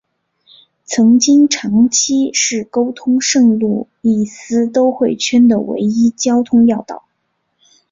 曾经长期是沟通圣路易斯都会圈的唯一的交通要道。